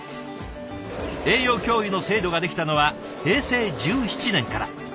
栄養教諭の制度ができたのは平成１７年から。